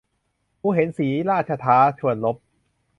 หมูเห็นสีหราชท้า ชวนรบ